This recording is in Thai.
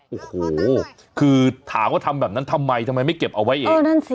โอ้โหคือถามว่าทำแบบนั้นทำไมทำไมไม่เก็บเอาไว้เอง